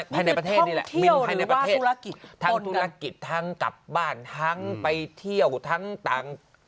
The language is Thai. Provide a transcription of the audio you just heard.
ภายในประเทศนี่แหละบินภายในประเทศทั้งธุรกิจทั้งกลับบ้านทั้งไปเที่ยวทั้งต่าง